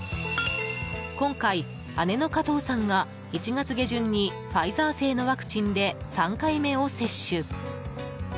今回、姉の加藤さんが１月下旬にファイザー製のワクチンで３回目を接種。